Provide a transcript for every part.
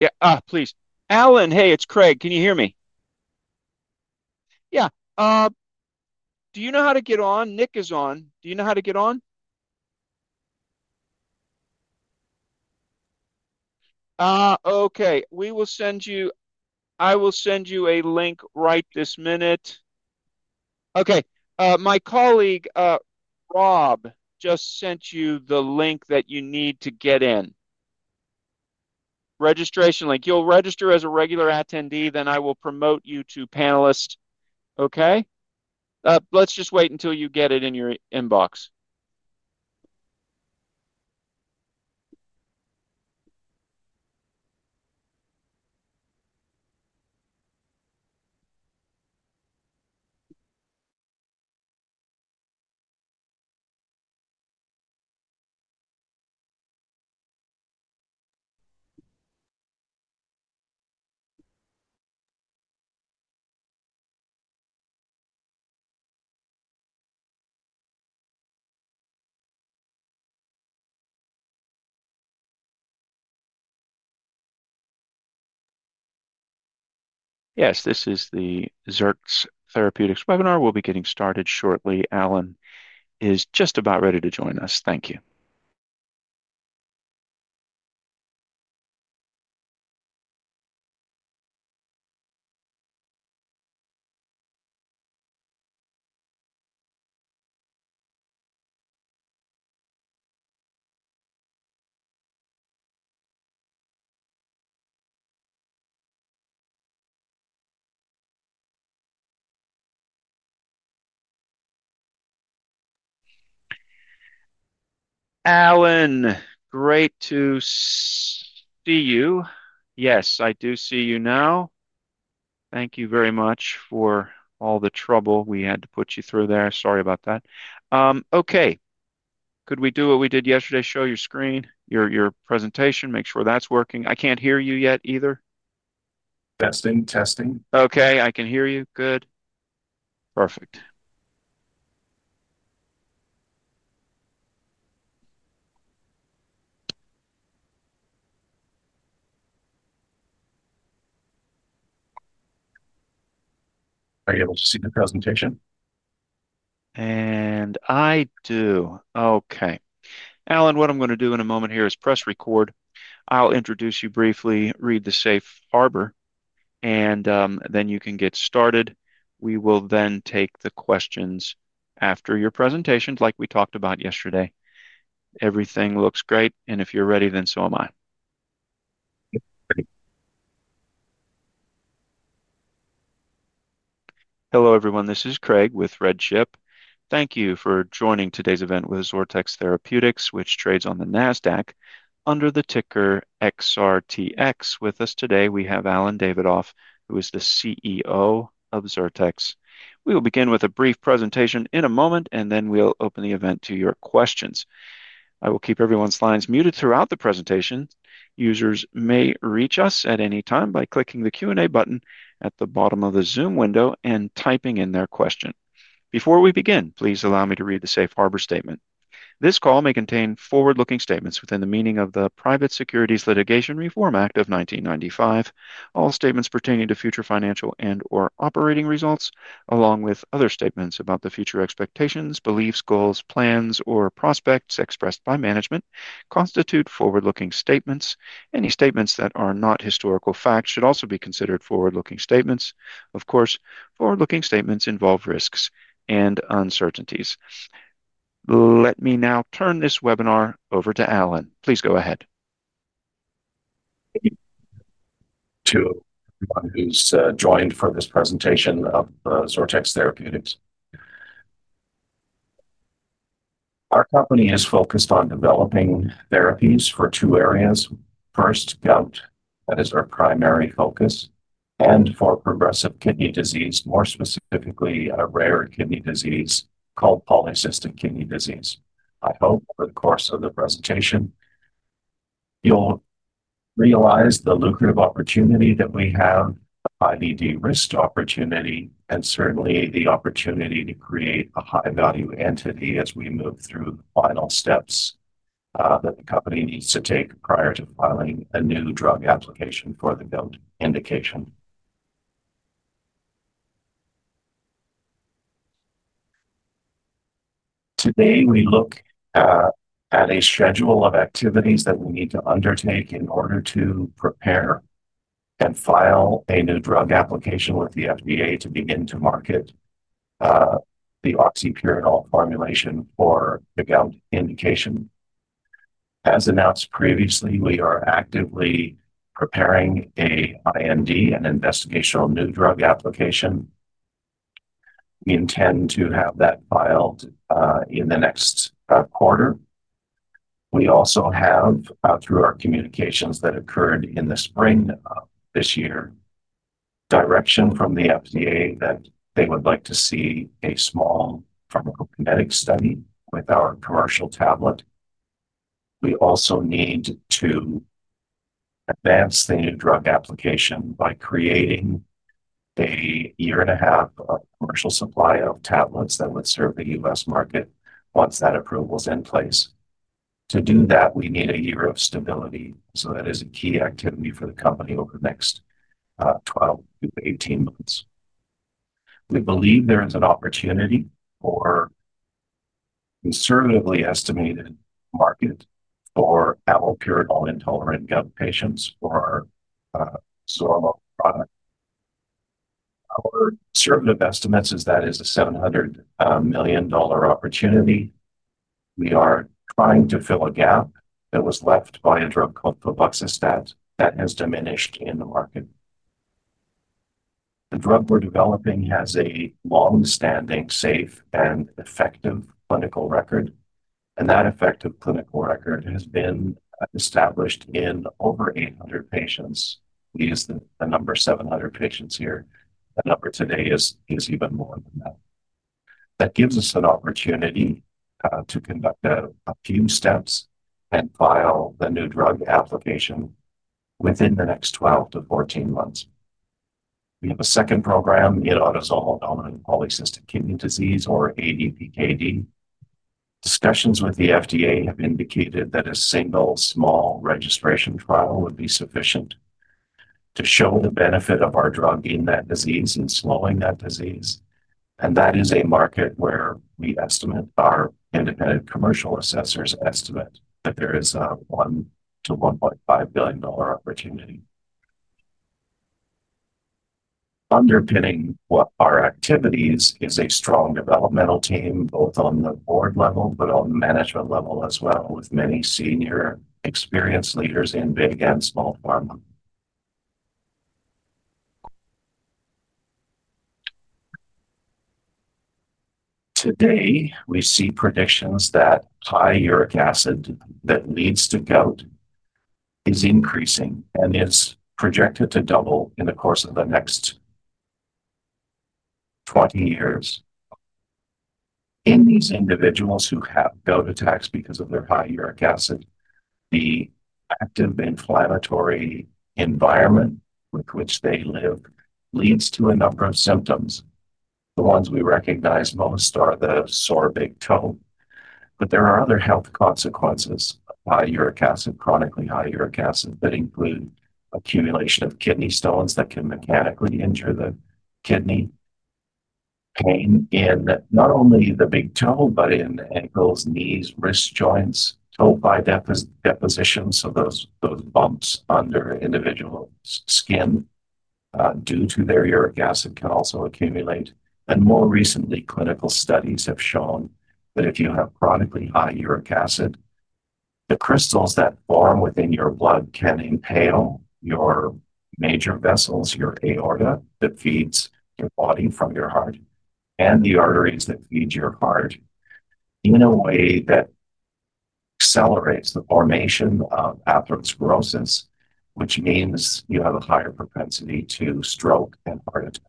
Yeah, please. Allen, hey, it's Craig. Can you hear me? Yeah. Do you know how to get on? Nick is on. Do you know how to get on? Okay. We will send you, I will send you a link right this minute. Okay. My colleague, Rob, just sent you the link that you need to get in. Registration link. You'll register as a regular attendee, then I will promote you to panelist, okay? Let's just wait until you get it in your inbox. Yes, this is the XORTX Therapeutics webinar. We'll be getting started shortly. Allen is just about ready to join us. Thank you. Allen, great to see you. Yes, I do see you now. Thank you very much for all the trouble we had to put you through there. Sorry about that. Okay. Could we do what we did yesterday? Show your screen, your presentation, make sure that's working. I can't hear you yet either. Testing, testing. Okay, I can hear you. Good. Perfect. Are you able to see the presentation? Okay. Allen, what I'm going to do in a moment here is press record. I'll introduce you briefly, read the safe harbor, and then you can get started. We will then take the questions after your presentations, like we talked about yesterday. Everything looks great. If you're ready, then so am I. Hello, everyone. This is Craig with RedChip. Thank you for joining today's event with XORTX Therapeutics, which trades on the NASDAQ under the ticker XRTX. With us today, we have Allen Davidoff, who is the CEO of XORTX. We will begin with a brief presentation in a moment, and then we'll open the event to your questions. I will keep everyone's lines muted throughout the presentation. Users may reach us at any time by clicking the Q&A button at the bottom of the Zoom window and typing in their question. Before we begin, please allow me to read the safe harbor statement. This call may contain forward-looking statements within the meaning of the Private Securities Litigation Reform Act of 1995. All statements pertaining to future financial and/or operating results, along with other statements about the future expectations, beliefs, goals, plans, or prospects expressed by management constitute forward-looking statements. Any statements that are not historical facts should also be considered forward-looking statements. Of course, forward-looking statements involve risks and uncertainties. Let me now turn this webinar over to Allen. Please go ahead. To everyone who's joined for this presentation of XORTX Therapeutics. Our company is focused on developing therapies for two areas. First, gout. That is our primary focus. And for progressive kidney disease, more specifically a rare kidney disease called polycystic kidney disease. I hope for the course of the presentation, you'll realize the lucrative opportunity that we have, i.e., the risk opportunity, and certainly the opportunity to create a high-value entity as we move through the final steps that the company needs to take prior to filing a New Drug Application for the gout indication. Today, we look at a schedule of activities that we need to undertake in order to prepare and file a New Drug Application with the FDA to begin to market the oxypurinol formulation for the gout indication. As announced previously, we are actively preparing an IND, an Investigational New Drug application. We intend to have that filed in the next quarter. We also have, through our communications that occurred in the spring of this year, direction from the FDA that they would like to see a small medical study with our commercial tablet. We also need to advance the New Drug Application by creating a year and a half of commercial supply of tablets that would serve the U.S. market once that approval is in place. To do that, we need a year of stability. That is a key activity for the company over the next 12 -18 months. We believe there is an opportunity for a conservatively estimated market for allopurinol-intolerant gout patients for XORTX. Conservative estimates is that it is a 700 million dollar opportunity. We are trying to fill a gap that was left by a drug called febuxostat that has diminished in the market. The drug we're developing has a longstanding safe and effective clinical record. That effective clinical record has been established in over 800 patients. We use the number 700 patients here. The number today is even more than that. That gives us an opportunity to conduct a few steps and file a New Drug Application within the next 12-14 months. We have a second program in autosomal dominant polycystic kidney disease, or ADPKD. The discussions with the FDA have indicated that a single small registration trial would be sufficient to show the benefit of our drug in that disease and slowing that disease. That is a market where we estimate our independent commercial assessors estimate that there is a 1 billion-1.5 billion dollar opportunity. Underpinning what our activities is a strong developmental team, both on the board level but on the management level as well, with many senior experienced leaders in big and small pharma. Today, we see predictions that high uric acid that leads to gout is increasing and is projected to double in the course of the next 20 years. In these individuals who have gout attacks because of their high uric acid, the active inflammatory environment with which they live leads to a number of symptoms. The ones we recognize most are the sore big toe. There are other health consequences of high uric acid, chronically high uric acid that include accumulation of kidney stones that can mechanically injure the kidney, pain in not only the big toe but in ankles, knees, wrist joints, toe deposition. Those bumps under individual skin, due to their uric acid can also accumulate. More recently, clinical studies have shown that if you have chronically high uric acid, the crystals that form within your blood can impale your major vessels, your aorta that feeds your body from your heart, and the arteries that feed your heart in a way that accelerates the formation of atherosclerosis, which means you have a higher propensity to stroke and heart attack.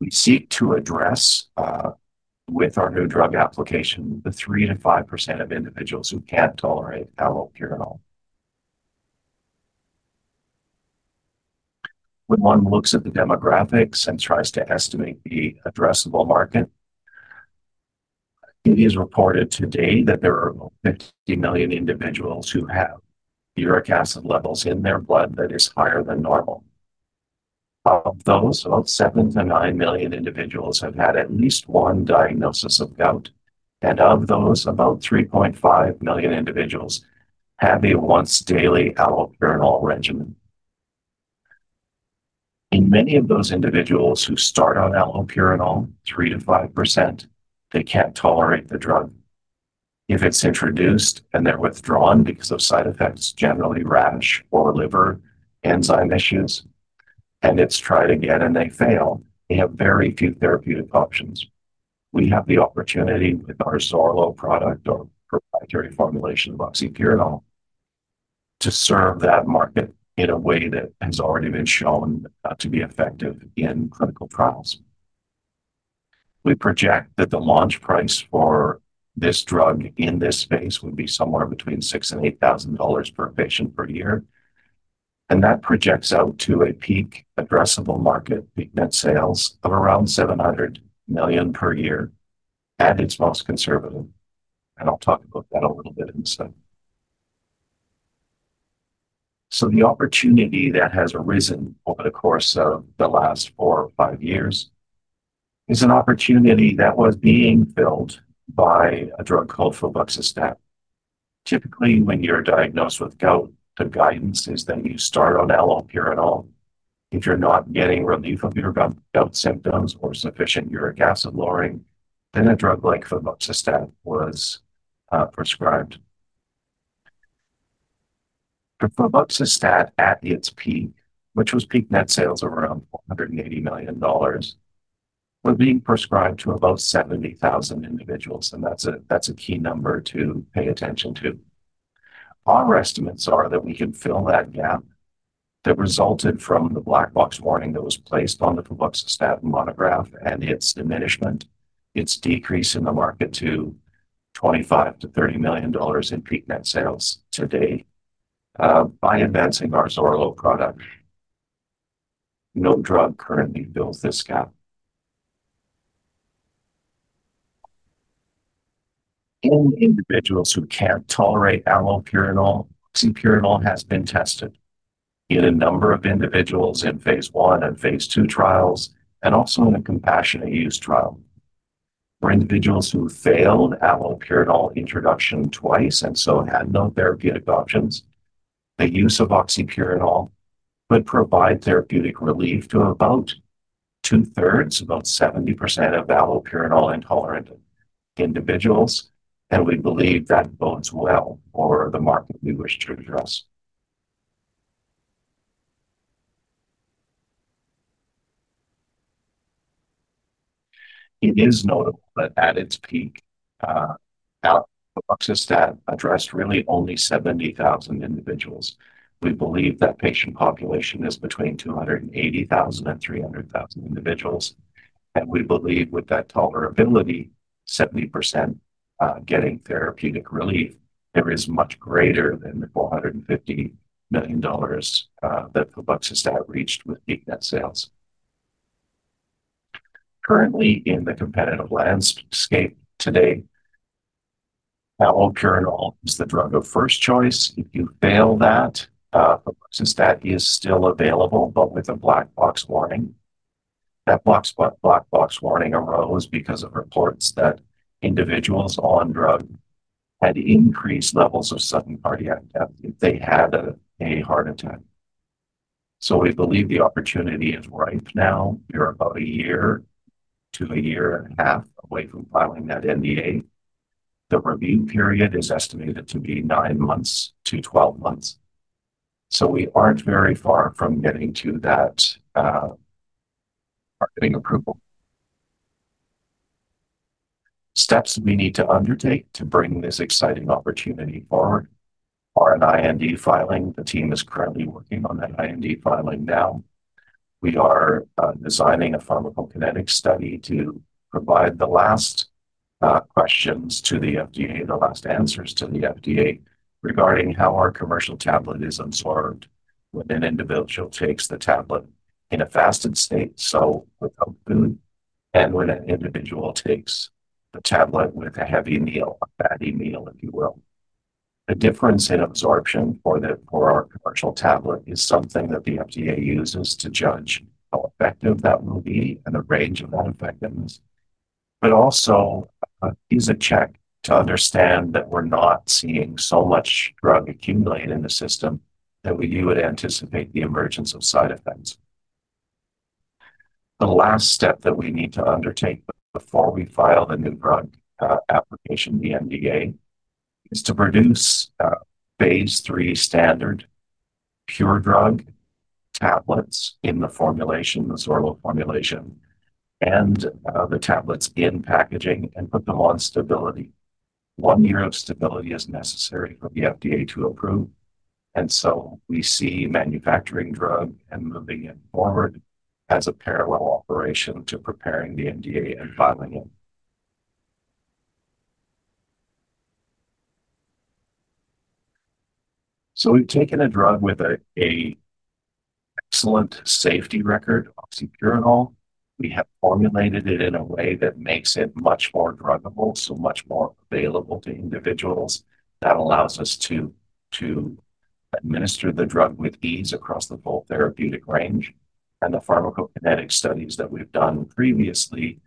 We seek to address, with our New Drug Application, the 3%-5% of individuals who can't tolerate allopurinol. When one looks at the demographics and tries to estimate the addressable market, it is reported today that there are 50 million individuals who have uric acid levels in their blood that are higher than normal. Of those, about 7 million-9 million individuals have had at least one diagnosis of gout. Of those, about 3.5 million individuals have a once-daily allopurinol regimen. In many of those individuals who start on allopurinol, 3%-5%, they can't tolerate the drug. If it's introduced and they're withdrawn because of side effects, generally rash or liver enzyme issues, and it's tried again and they fail, they have very few therapeutic options. We have the opportunity with our XORLO product or tertiary formulation of oxypurinol to serve that market in a way that has already been shown to be effective in clinical trials. We project that the launch price for this drug in this space would be somewhere between 6,000 and 8,000 dollars per patient per year. That projects out to a peak addressable market, peak net sales of around 700 million per year at its most conservative. I'll talk about that a little bit in the study. The opportunity that has arisen over the course of the last four or five years is an opportunity that was being filled by a drug called febuxostat. Typically, when you're diagnosed with gout, the guidance is that you start on allopurinol. If you're not getting relief of your gout symptoms or sufficient uric acid lowering, then a drug like febuxostat was prescribed. Febuxostat at its peak, which was peak net sales of around 180 million dollars, was being prescribed to about 70,000 individuals. That's a key number to pay attention to. Our estimates are that we can fill that gap that resulted from the black box warning that was placed on the febuxostat monograph and its diminishment, its decrease in the market to 25 million-30 million dollars in peak net sales today, by advancing our XORLO product. No drug currently fills this gap. All individuals who can't tolerate allopurinol, oxypurinol has been tested in a number of individuals in phase one and phase two trials and also in a compassionate use trial. For individuals who failed allopurinol introduction twice and so had no therapeutic options, the use of oxypurinol would provide therapeutic relief to about two-thirds, about 70% of allopurinol-intolerant individuals. We believe that bodes well for the market we wish to address. It is notable that at its peak, febuxostat addressed really only 70,000 individuals. We believe that patient population is between 280,000 and 300,000 individuals. We believe with that tolerability, 70% getting therapeutic relief, it is much greater than the 450 million dollars that febuxostat reached with peak net sales. Currently, in the competitive landscape today, allopurinol is the drug of first choice. If you fail that, febuxostat is still available, but with a black box warning. That black box warning arose because of reports that individuals on drugs had increased levels of sudden cardiac death if they had a heart attack. We believe the opportunity is right now. We are about a year to a year and a half away from filing that NDA. The review period is estimated to be 9 months-12 months. We aren't very far from getting to that marketing approval. Steps we need to undertake to bring this exciting opportunity forward are an IND filing. The team is currently working on that IND filing now. We are designing a pharmacokinetic study to provide the last questions to the FDA, the last answers to the FDA regarding how our commercial tablet is absorbed when an individual takes the tablet in a fasted state, so open, and when an individual takes the tablet with a heavy meal, a heavy meal, if you will. The difference in absorption for our commercial tablet is something that the FDA uses to judge how effective that will be and the range of effectiveness. It is also a check to understand that we're not seeing so much drug accumulated in the system that you would anticipate the emergence of side effects. The last step that we need to undertake before we file a New Drug Application, the NDA, is to produce a phase three standard cure drug tablets in the formulation, the XORLO formulation, and the tablets in packaging and put them on stability. One year of stability is necessary for the FDA to approve. We see manufacturing drug and moving it forward as a parallel operation to preparing the NDA and filing it. We've taken a drug with an excellent safety record, oxypurinol. We have formulated it in a way that makes it much more druggable, so much more available to individuals. That allows us to administer the drug with ease across the full therapeutic range. The pharmacokinetic studies that we've done previously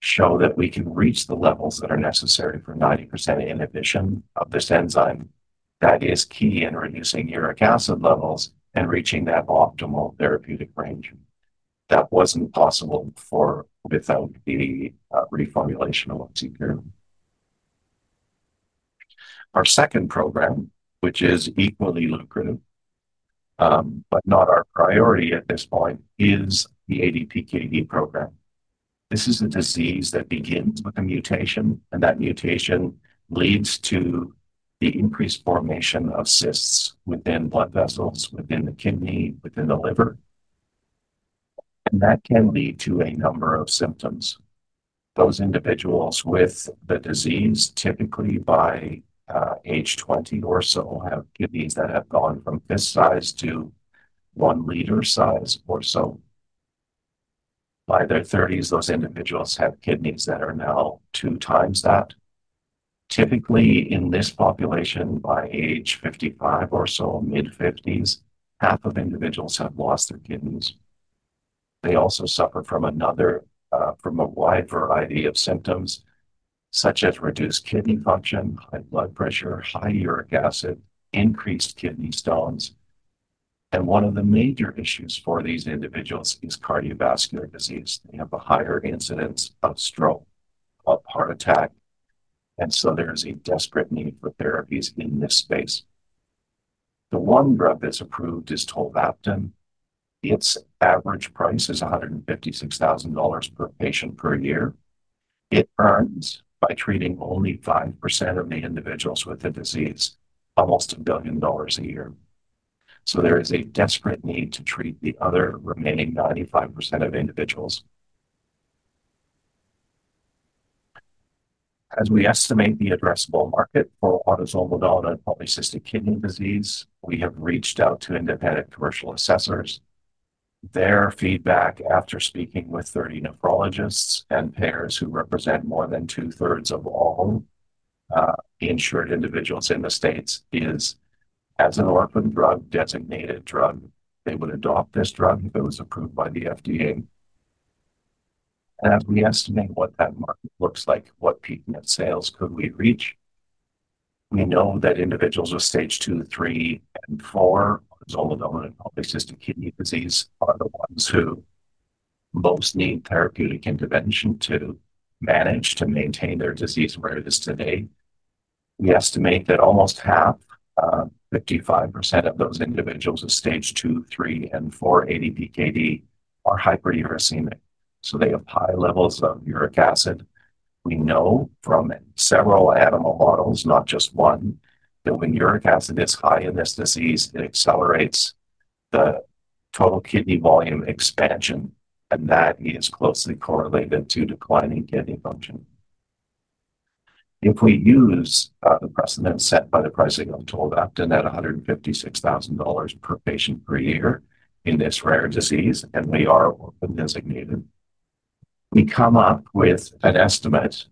show that we can reach the levels that are necessary for 90% inhibition of this enzyme that is key in reducing uric acid levels and reaching that optimal therapeutic range. That wasn't possible without the reformulation of oxypurinol. Our second program, which is equally lucrative, but not our priority at this point, is the ADPKD program. This is a disease that begins with a mutation, and that mutation leads to the increased formation of cysts within blood vessels, within the kidney, within the liver. That can lead to a number of symptoms. Those individuals with the disease, typically by age 20 or so, have kidneys that have gone from this size to one liter size or so. By their 30s, those individuals have kidneys that are now two times that. Typically, in this population, by age 55 or so, mid-50s, half of individuals have lost their kidneys. They also suffer from a wide variety of symptoms, such as reduced kidney function, high blood pressure, high uric acid, increased kidney stones. One of the major issues for these individuals is cardiovascular disease. They have a higher incidence of stroke or heart attack. There is a desperate need for therapies in this space. The one drug that's approved is tolvaptan. Its average price is 156,000 dollars per patient per year. It earns, by treating only 5% of the individuals with the disease, almost 1 billion dollars a year. There is a desperate need to treat the other remaining 95% of individuals. As we estimate the addressable market for autosomal dominant polycystic kidney disease, we have reached out to independent commercial assessors. Their feedback after speaking with 30 nephrologists and payers who represent more than two-thirds of all insured individuals in the U.S. is, as an orphan drug, designated drug, they would adopt this drug if it was approved by the FDA. As we estimate what that market looks like, what peak net sales could we reach, we know that individuals with stage two, three, and four, allopurinol-assisted kidney disease, those who most need therapeutic intervention to manage, to maintain their disease rate as today, we estimate that almost half, 55% of those individuals with stage two, three, and four ADPKD are hyperuricemic. They have high levels of uric acid. We know from several animal models, not just one, that when uric acid is high in this disease, it accelerates the total kidney volume expansion. That is closely correlated to declining kidney function. If we use the precedent set by the pricing of tolvaptan at 156,000 dollars per patient per year in this rare disease, and we are designated, we come up with an estimate,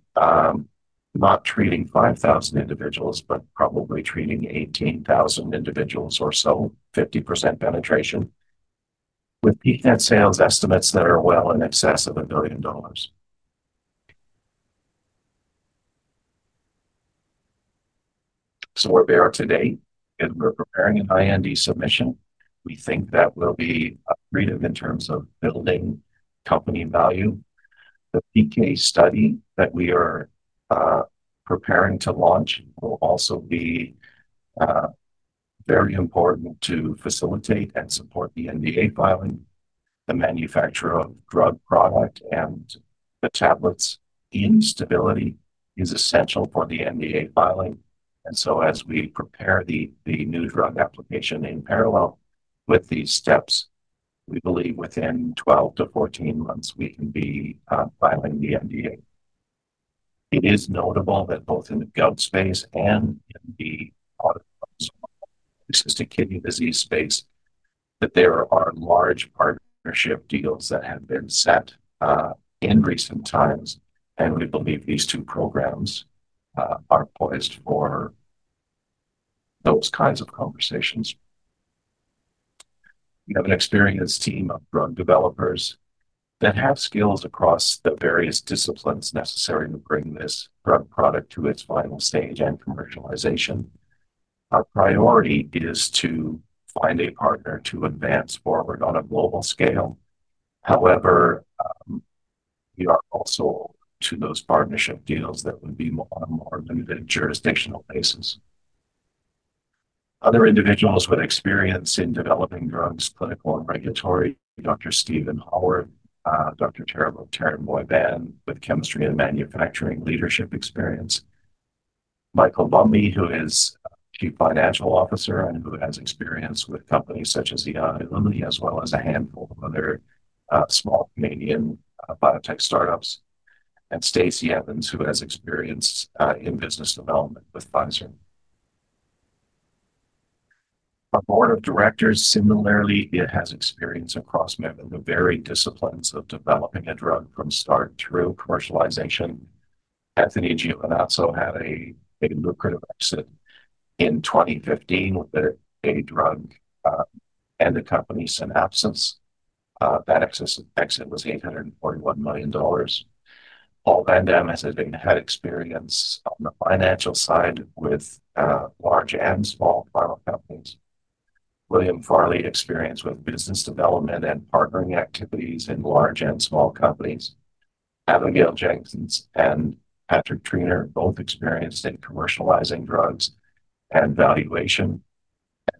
not treating 5,000 individuals, but probably treating 18,000 individuals or so, 50% penetration, with peak net sales estimates that are well in excess of 1 billion dollars. We are there today, and we are preparing an IND submission. We think that will be creative in terms of building company value. The PK study that we are preparing to launch will also be very important to facilitate and support the NDA filing. The manufacturer of drug product and the tablets' stability is essential for the NDA filing. As we prepare the New Drug Application in parallel with these steps, we believe within 12-14 months, we can be filing the NDA. It is notable that both in the gout space and the polycystic kidney disease space, there are large partnership deals that have been set in recent times. We believe these two programs are poised for those kinds of conversations. We have an experienced team of drug developers that have skills across the various disciplines necessary to bring this drug product to its final stage and commercialization. Our priority is to find a partner to advance forward on a global scale. However, we are also open to those partnership deals that would be more than a jurisdictional basis. Other individuals with experience in developing drugs, clinical and regulatory, Dr. Stephen Howardth, Dr. Terry Moybihan, with chemistry and manufacturing leadership experience. Michael Bumby, who is Chief Financial Officer and who has experience with companies such as Zion Aluminy, as well as a handful of other small Canadian biotech startups. Stacy Evans, who has experience in business development with Pfizer. Our board of directors, similarly, has experience across many of the varying disciplines of developing a drug from start through commercialization. Giovinazzo had a lucrative exit in 2015 with a drug and the company Synapsis. That exit was 841 million dollars. Paul Van Damme has had experience on the financial side with large and small pharma companies. William Farley experienced with business development and partnering activities in large and small companies. Abigail Jenkins and Patrick Traynor both experienced in commercializing drugs and valuation.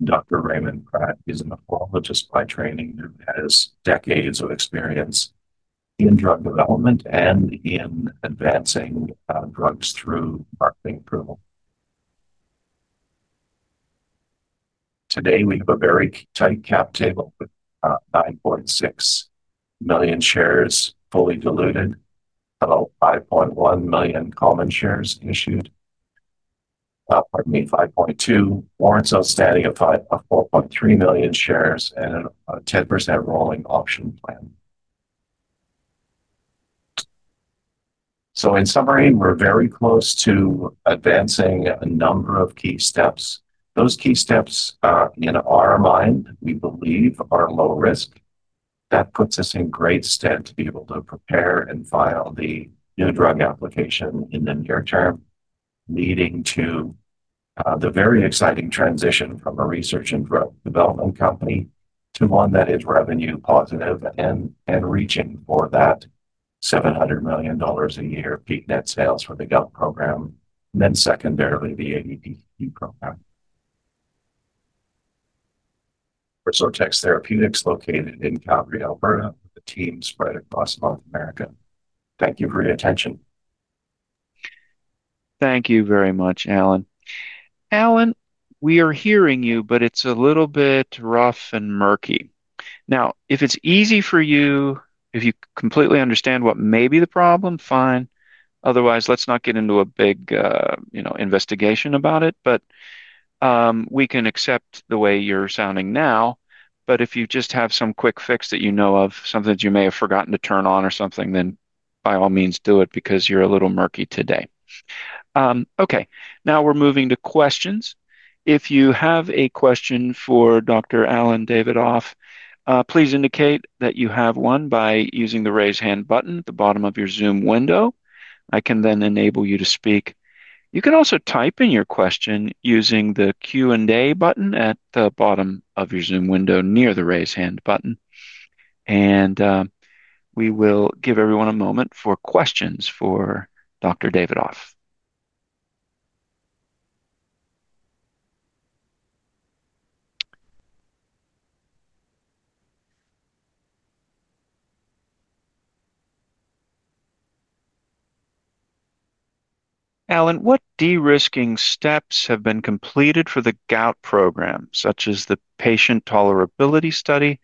Dr. Raymond Pratt is a nephrologist by training who has decades of experience in drug development and in advancing drugs through marketing approval. Today, we have a very tight cap table with 9.6 million shares fully diluted, about 5.1 million common shares issued, 5.2 million warrants outstanding of 4.3 million shares, and a 10% rolling option plan. In summary, we're very close to advancing a number of key steps. Those key steps, in our mind, we believe are low risk. That puts us in great stead to be able to prepare and file the New Drug Application in the near term, leading to the very exciting transition from a research and drug development company to one that is revenue positive and reaching for that 700 million dollars a year peak net sales for the gout program, then secondarily the ADPKD program. XORTX Therapeutics, located in Calgary, Alberta, with a team spread across North America. Thank you for your attention. Thank you very much, Allen. Allen, we are hearing you, but it's a little bit rough and murky. If it's easy for you, if you completely understand what may be the problem, fine. Otherwise, let's not get into a big investigation about it. We can accept the way you're sounding now. If you just have some quick fix that you know of, something that you may have forgotten to turn on or something, then by all means, do it because you're a little murky today. Now we're moving to questions. If you have a question for Dr. Allen Davidoff, please indicate that you have one by using the raise hand button at the bottom of your Zoom window. I can then enable you to speak. You can also type in your question using the Q&A button at the bottom of your Zoom window near the raise hand button. We will give everyone a moment for questions for Dr. Davidoff. Allen, what de-risking steps have been completed for the gout program, such as the patient tolerability study,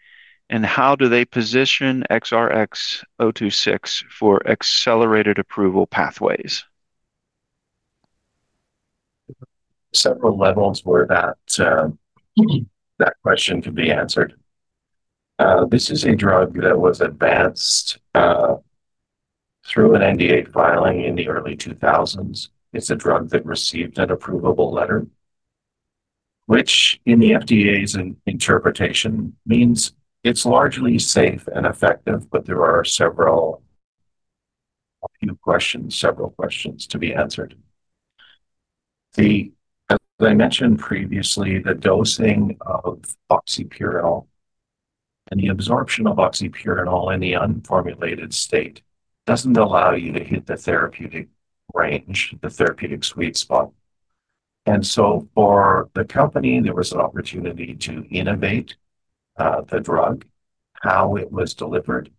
and how do they position XRx-026 for accelerated approval pathways? Several levels where that question can be answered. This is a drug that was advanced through an NDA filing in the early 2000s. It's a drug that received an approval letter, which in the FDA's interpretation means it's largely safe and effective, but there are several questions to be answered. As I mentioned previously, the dosing of oxypurinol and the absorption of oxypurinol in the unformulated state doesn't allow you to hit the therapeutic range, the therapeutic sweet spot. For the company, there was an opportunity to innovate, the drug, how it was delivered,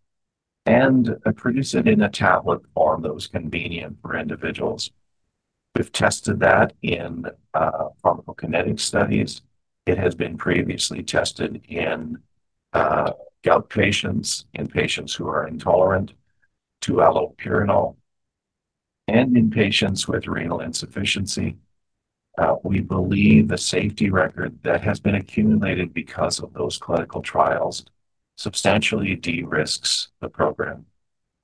and produce it in a tablet form that was convenient for individuals. We've tested that in pharmacokinetic studies. It has been previously tested in gout patients, in patients who are intolerant to allopurinol, and in patients with renal insufficiency. We believe the safety record that has been accumulated because of those clinical trials substantially de-risks the program.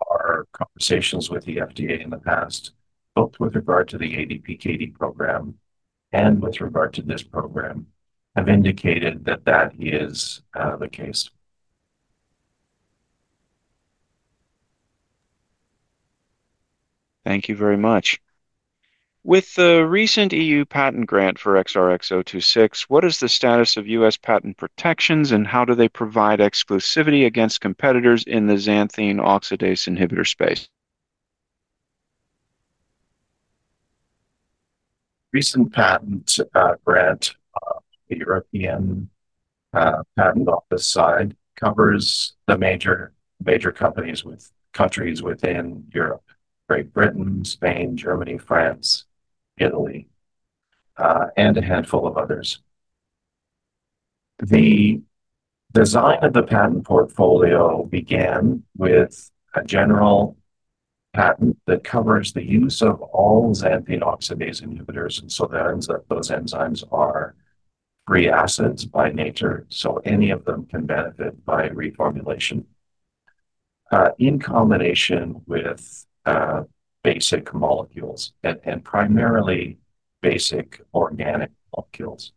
Our conversations with the FDA in the past, both with regard to the ADPKD program and with regard to this program, have indicated that that is the case. Thank you very much. With the recent EU patent grant for XRx-026, what is the status of U.S. patent protections, and how do they provide exclusivity against competitors in the xanthine oxidase inhibitor space? Recent patent grant, the European Patent Office side, covers the major countries within Europe: Great Britain, Spain, Germany, France, Italy, and a handful of others. The design of the patent portfolio began with a general patent that covers the use of all xanthine oxidase inhibitors. That means that those enzymes are free acids by nature, so any of them can benefit by reformulation in combination with basic molecules and primarily basic organic molecules.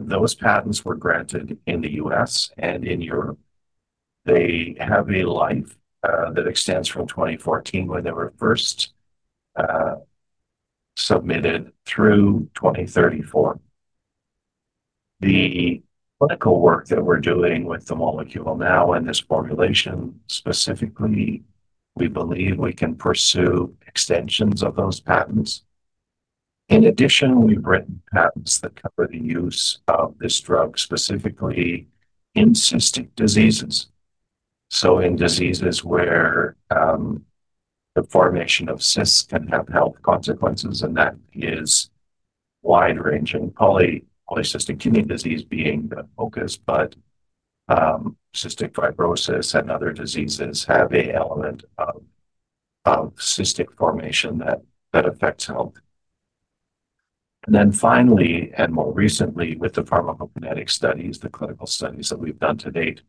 Those patents were granted in the U.S. and in Europe. They have a life that extends from 2014 when they were first submitted through 2034. The clinical work that we're doing with the molecule now and this formulation specifically, we believe we can pursue extensions of those patents. In addition, we bring patents that cover the use of this drug specifically in cystic diseases. In diseases where the formation of cysts can have health consequences, and that is wide-ranging, polycystic kidney disease being the focus, but cystic fibrosis and other diseases have an element of cystic formation that affects health. Finally, more recently with the pharmacokinetic studies, the clinical studies that we've done to date,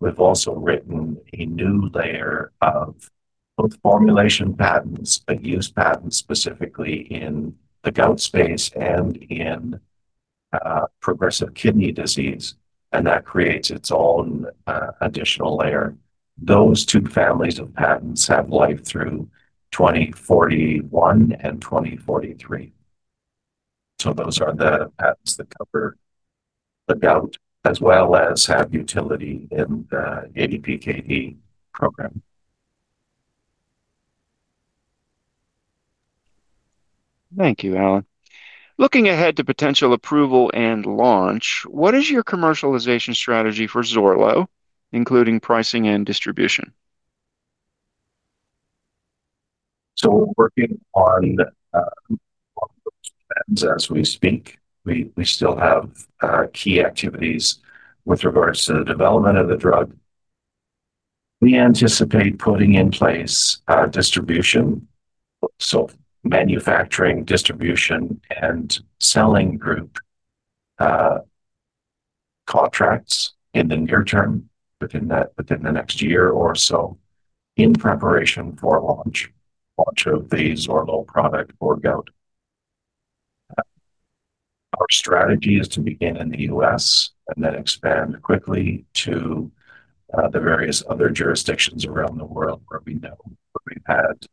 we've also written a new layer of formulation patents and use patents specifically in the gout space and in progressive kidney disease. That creates its own additional layer. Those two families of patents have life through 2041 and 2043. Those are the patents that cover the gout as well as have utility in the ADPKD program. Thank you, Allen. Looking ahead to potential approval and launch, what is your commercialization strategy for XORLO, including pricing and distribution? We're working on that as we speak. We still have key activities with regards to the development of the drug. We anticipate putting in place manufacturing, distribution, and selling group contracts in the near term, within the next year or so, in preparation for launch of the XORLO product for gout. Our strategy is to begin in the U.S. and then expand quickly to the various other jurisdictions around the world where we know we've had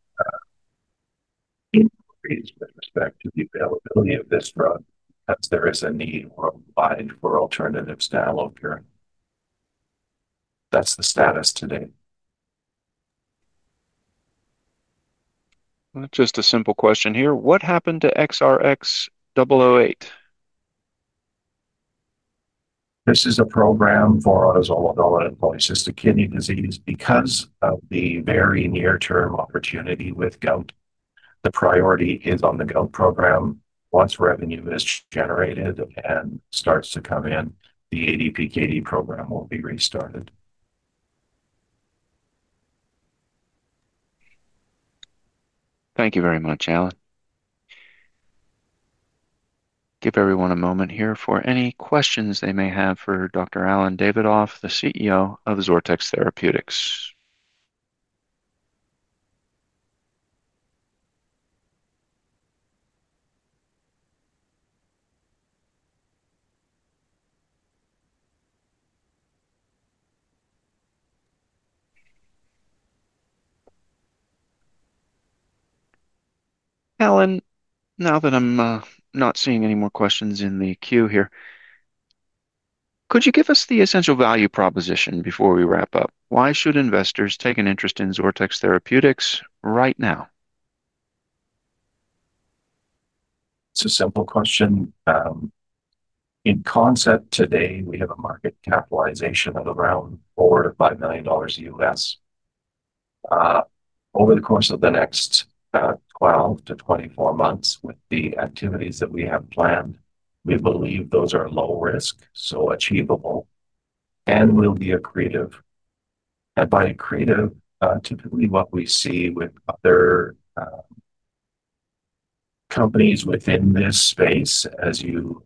increased respect to the availability of this drug, that there is a need for alternatives to allopurinol. That's the status today. Just a simple question here. What happened to XRx-008? This is a program for autosomal dominant polycystic kidney disease. Because of the very near-term opportunity with gout, the priority is on the gout program. Once revenue is generated and starts to come in, the ADPKD program will be restarted. Thank you very much, Allen. Give everyone a moment here for any questions they may have for Dr. Allen Davidoff, the CEO of XORTX Therapeutics Inc. Allen, now that I'm not seeing any more questions in the queue here, could you give us the essential value proposition before we wrap up? Why should investors take an interest in XORTX Therapeutics right now? It's a simple question. In concept, today, we have a market capitalization of around $4 million-$5 million. Over the course of the next 12-24 months, with the activities that we have planned, we believe those are low risk, so achievable, and will be accretive. By accretive, typically what we see with other companies within this space, as you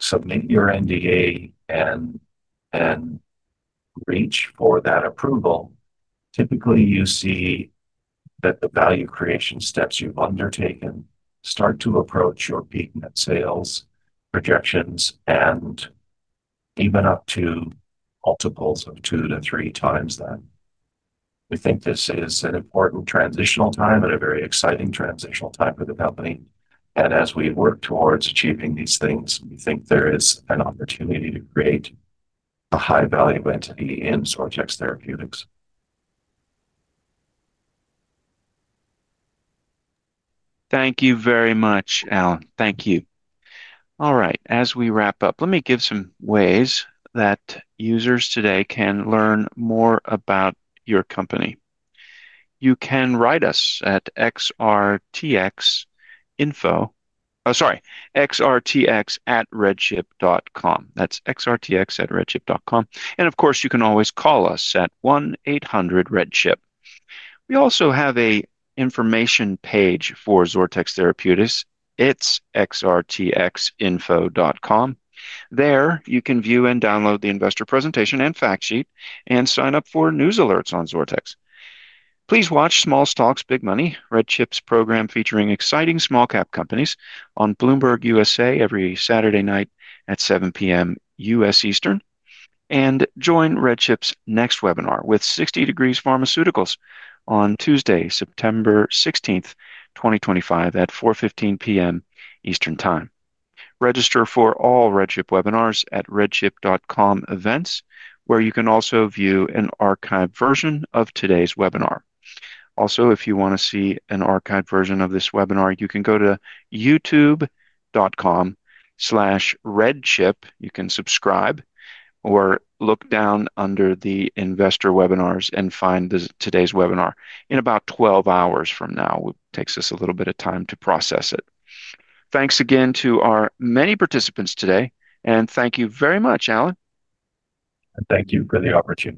submit your NDA and reach for that approval, typically you see that the value creation steps you've undertaken start to approach your peak net sales projections and even up to multiples of 2x-3x that. We think this is an important transitional time and a very exciting transitional time for the company. As we work towards achieving these things, we think there is an opportunity to create a high-value entity in XORTX Therapeutics. Thank you very much, Allen. Thank you. All right. As we wrap up, let me give some ways that users today can learn more about your company. You can write us at XORTX info, oh, sorry, xortx@redchip.com. That's xortx@redchip.com. Of course, you can always call us at 1-800-REDCHIP. We also have an information page for XORTX Therapeutics. It's xortxinfo.com. There, you can view and download the investor presentation and fact sheet and sign up for news alerts on XORTX. Please watch Small Stocks, Big Money, RedChip's program featuring exciting small-cap companies on Bloomberg USA every Saturday night at 7:00 P.M. U.S. Eastern. Join RedChip's next webinar with 60 Degrees Pharmaceuticals on Tuesday, September 16th, 2025, at 4:15 P.M. ET Register for all RedChip webinars at redchip.com events, where you can also view an archived version of today's webinar. Also, if you want to see an archived version of this webinar, you can go to youtube.com/redchip. You can subscribe or look down under the investor webinars and find today's webinar in about 12 hours from now. It takes us a little bit of time to process it. Thanks again to our many participants today. Thank you very much, Allen. Thank you for the opportunity.